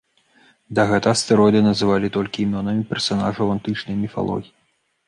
Да гэтага астэроіды называлі толькі імёнамі персанажаў антычнай міфалогіі.